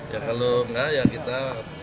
kalau enggak ya kita